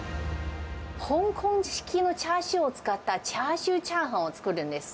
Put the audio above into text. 香港式のチャーシューを使った、チャーシューチャーハンを作るんです。